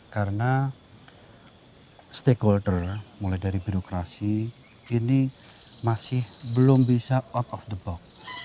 karena stakeholder mulai dari birokrasi ini masih belum bisa out of the box